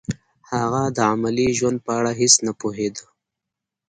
هغه د عملي ژوند په اړه هیڅ نه پوهېده